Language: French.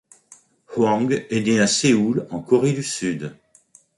Hwang est né à Séoul, en Corée du Sud.